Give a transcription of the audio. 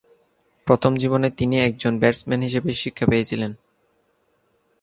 প্রথম জীবনে তিনি একজন ব্যাটসম্যান হিসেবে শিক্ষা পেয়েছিলেন।